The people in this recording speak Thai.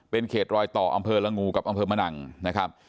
เป็นเขตรอยต่ออำเภอละงูกับอำเภอมะนังนะครับ